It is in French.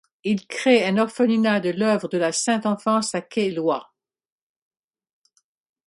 Il crée un orphelinat de l'œuvre de la Sainte-Enfance à Ké-Loi.